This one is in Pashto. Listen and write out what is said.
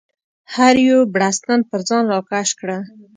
هر یو بړستن پر ځان راکش کړه.